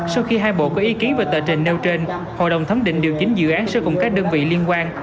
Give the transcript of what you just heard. sau khi hai bộ có ý kiến về tờ trình nêu trên hội đồng thẩm định điều chỉnh dự án sẽ cùng các đơn vị liên quan